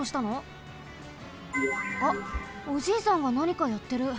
あっおじいさんがなにかやってる。